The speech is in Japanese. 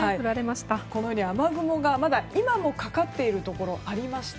このように雨雲が今もかかっているところがありまして